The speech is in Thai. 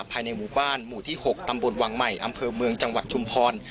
ภายในหมู่บ้านหมู่ที่๖ตำบลวังใหม่อำเภอเมืองจังหวัดชุมพร